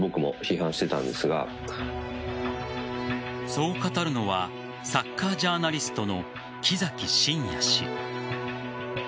そう語るのはサッカージャーナリストの木崎伸也氏。